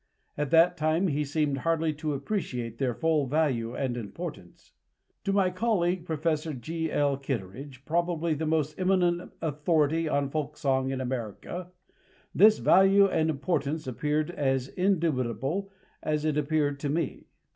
At that time, he seemed hardly to appreciate their full value and importance. To my colleague, Professor G.L. Kittredge, probably the most eminent authority on folk song in America, this value and importance appeared as indubitable as it appeared to me.